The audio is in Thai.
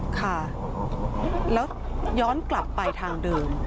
ค่ะแล้วย้อนกลับไปทางเดิม